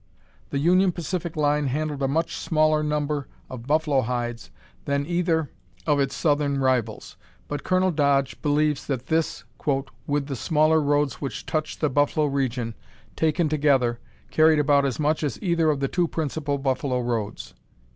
The Union Pacific line handled a much smaller number of buffalo hides than either of its southern rivals, but Colonel Dodge believes that this, "with the smaller roads which touch the buffalo region, taken together, carried about as much as either of the two principal buffalo roads."